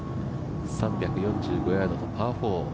３４５ヤードのパー４。